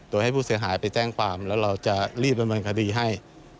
โดยให้ผู้เสียหายไปแจ้งความแล้วเราจะรีบดำเนินคดีให้